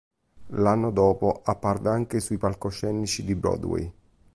L'anno dopo, apparve anche sui palcoscenici di Broadway.